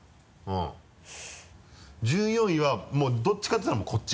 １４位はもうどっちかって言ったらこっち？